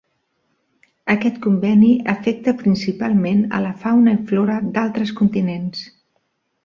Aquest conveni afecta principalment a la fauna i flora d'altres continents.